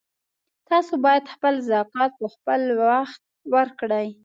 تاسو باید خپل زکات په خپلوخت ورکړئ